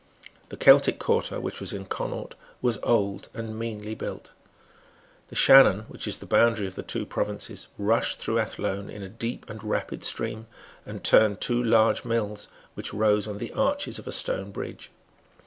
The Celtic quarter, which was in Connaught, was old and meanly built. The Shannon, which is the boundary of the two provinces, rushed through Athlone in a deep and rapid stream, and turned two large mills which rose on the arches of a stone bridge.